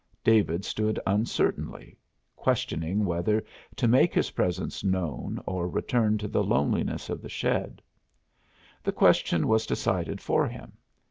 David stood uncertainly, questioning whether to make his presence known or return to the loneliness of the shed. The question was decided for him.